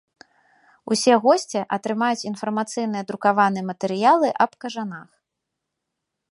Усе госці атрымаюць інфармацыйныя друкаваныя матэрыялы аб кажанах.